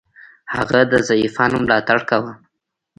هغه د ضعیفانو ملاتړ کاوه.